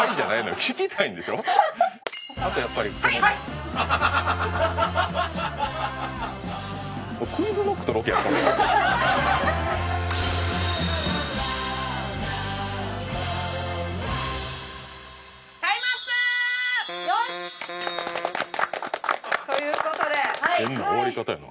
よし！という事で。